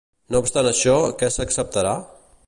No obstant això, què s'acceptarà?